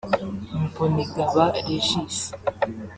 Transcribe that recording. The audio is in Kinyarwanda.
Mbonigaba Régis